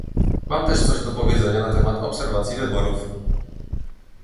Mam też coś do powiedzenia na temat obserwacji wyborów